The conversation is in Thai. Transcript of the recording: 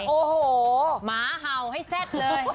โอ้โหหมาเห่าให้แซ่บเลย